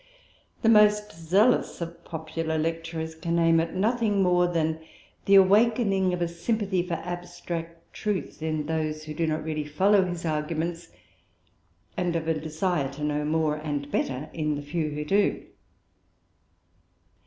The most zealous of popular lecturers can aim at nothing more than the awakening of a sympathy for abstract truth, in those who do not really follow his arguments; and of a desire to know more and better in the few who do.